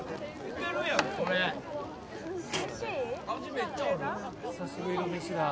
めっちゃある・久しぶりの飯だ